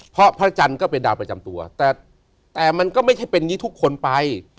เพราะพระจันทร์ก็เป็นดาวประจำตัวแต่แต่มันก็ไม่ใช่เป็นอย่างนี้ทุกคนไป